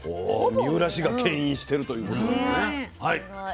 三浦市がけん引してるということなのね。